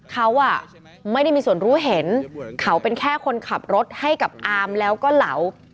เขาไม่ได้มีส่วนรู้เห็นเขาเป็นแค่คนขับรถให้กับอามแล้วก็เหลา